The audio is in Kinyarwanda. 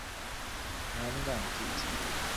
nta mbwa mfite